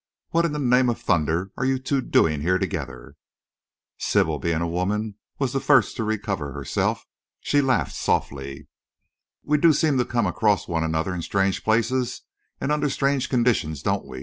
"What in the name of thunder are you two doing here together?" Sybil, being a woman, was the first to recover herself. She laughed softly. "We do seem to come across one another in strange places and under strange conditions, don't we?"